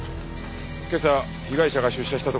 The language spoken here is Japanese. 今朝被害者が出社したところ